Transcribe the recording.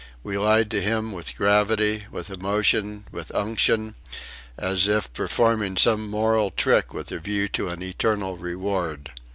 We lied to him with gravity, with emotion, with unction, as if performing some moral trick with a view to an eternal reward.